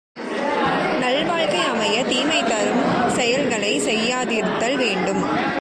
நல் வாழ்க்கை அமைய, தீமை தரும் செயல்களைச் செய்யாதிருத்தல் வேண்டும்.